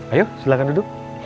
ayo silahkan duduk